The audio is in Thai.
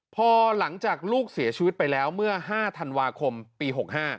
พอหลังจากลูกเสียชีวิตไปแล้วเมื่อ๕ธันวาคมปี๖๕